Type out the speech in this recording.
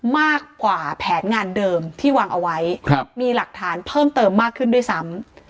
มากกว่าแผนงานเดิมที่วางเอาไว้มีหลักฐานเพิ่มเติมมากขึ้นด้วยซ้ำ